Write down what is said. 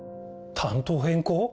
担当変更？